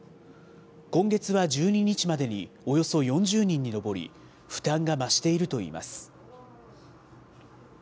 今月は１２日までにおよそ４０人に上り、負担が増しているといいます。